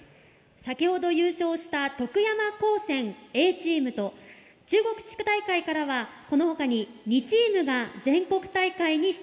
先ほど優勝した徳山高専Ａチームと中国地区大会からはこのほかに２チームが全国大会に出場できます。